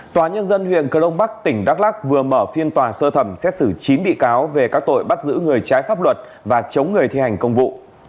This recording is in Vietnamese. tòa nhân dân huyện cơ đông bắc tỉnh đắk lắc vừa mở phiên tòa sơ thẩm xét xử chín bị cáo về các tội bắt giữ người trái pháp luật và chống người thi hành công vụ